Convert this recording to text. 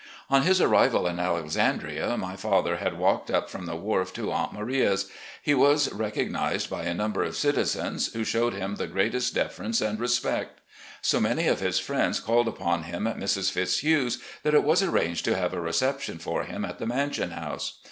On his arrival in Alexandria my father had walked up from the wharf to "Aunt Maria's." He was recognised by a number of citizens, who showed him the greatest deference and respect. So many of his friends called upon him at Mrs. Fitzhugh's that it was arranged to have a reception for him at the Mansion House.